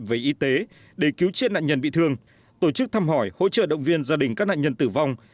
về y tế để cứu chiết nạn nhân bị thương tổ chức thăm hỏi hỗ trợ động viên gia đình các nạn nhân tử vong